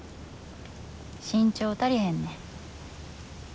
身長足りへんねん。